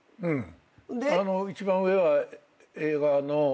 一番上は映画の製作部。